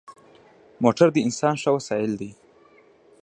موټر د انسان ښه وسایل دی.